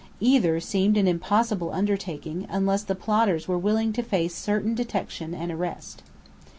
Either seemed an impossible undertaking, unless the plotters were willing to face certain detection and arrest.